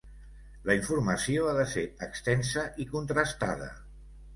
La informació ha de ser extensa i contrastada.